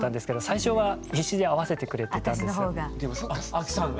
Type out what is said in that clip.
アキさんが？